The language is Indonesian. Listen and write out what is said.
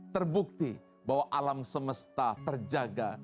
terbukti bahwa alam semesta terjaga